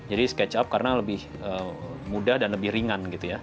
jadi sketchup karena lebih mudah dan lebih ringan